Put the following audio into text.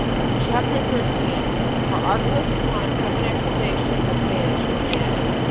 CHAPTER 13. How Archelaus Upon A Second Accusation, Was Banished To Vienna.